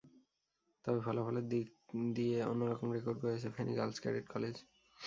তবে ফলাফলের দিক দিয়ে অন্য রকম রেকর্ড গড়েছে ফেনী গার্লস ক্যাডেট কলেজ।